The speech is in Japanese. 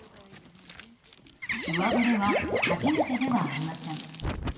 上振れは初めてではありません。